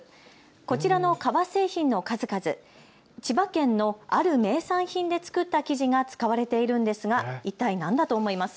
こちらの革製品の数々、千葉県のある名産品でつくった生地が使われているんですがいったい何だと思います？